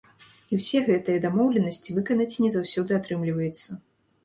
І ўсе гэтыя дамоўленасці выканаць не заўсёды атрымліваецца.